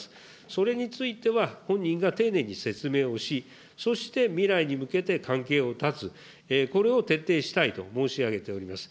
それについては本人が丁寧に説明をし、そして未来に向けて関係を断つ、これを徹底したいと申し上げております。